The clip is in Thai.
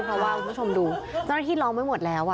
เพราะว่าคุณผู้ชมดูเจ้าหน้าที่ร้องไว้หมดแล้ว